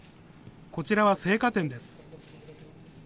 こちらは青果店です。